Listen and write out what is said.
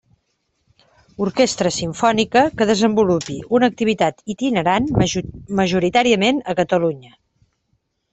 Orquestra simfònica que desenvolupi una activitat itinerant majoritàriament a Catalunya.